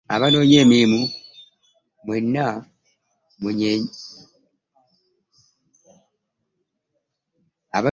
Abanoonya emirimu mwenna munneeyune.